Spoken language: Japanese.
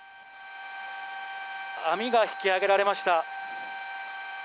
網が引き揚げられました。